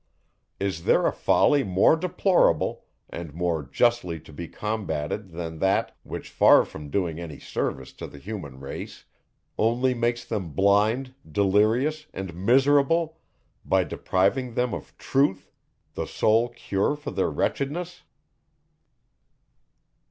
Is there a folly more deplorable, and more justly to be combated, than that, which far from doing any service to the human race, only makes them blind, delirious, and miserable, by depriving them of Truth, the sole cure for their wretchedness.